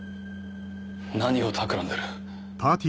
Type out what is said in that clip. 何をたくらんでる？